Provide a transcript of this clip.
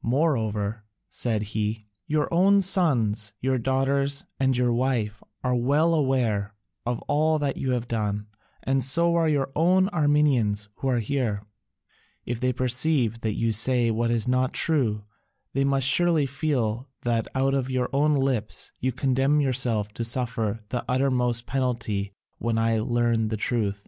Moreover," said he, "your own sons, your daughters, and your wife are well aware of all that you have done, and so are your own Armenians who are here: if they perceive that you say what is not true, they must surely feel that out of your own lips you condemn yourself to suffer the uttermost penalty when I learn the truth."